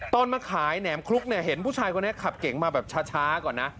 มาขายแหนมคลุกเนี่ยเห็นผู้ชายคนนี้ขับเก๋งมาแบบช้าก่อนนะ